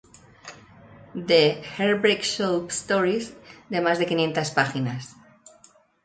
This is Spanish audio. The "Heartbreak Soup" Stories", de más de quinientas páginas.